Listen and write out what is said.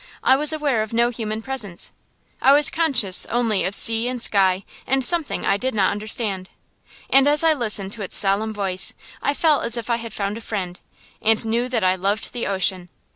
I was aware of no human presence; I was conscious only of sea and sky and something I did not understand. And as I listened to its solemn voice, I felt as if I had found a friend, and knew that I loved the ocean.